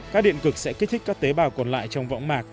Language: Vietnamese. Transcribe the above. các điện cực sẽ kích thích các tế bào còn lại trong võng mạc